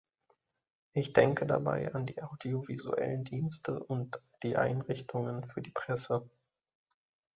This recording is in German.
Ich denke dabei an die audiovisuellen Dienste und die Einrichtungen für die Presse.